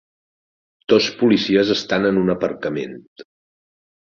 Dos policies estan en un aparcament.